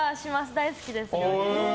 大好きです。